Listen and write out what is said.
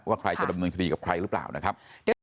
ใครจะดำเนินคดีกับใครหรือเปล่านะครับ